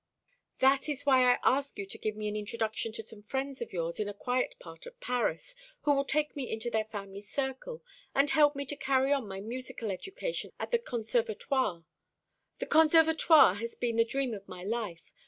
"That is why I ask you to give me an introduction to some friends of yours in a quiet part of Paris, who will take me into their family circle, and help me to carry on my musical education at the Conservatoire. The Conservatoire has been the dream of my life.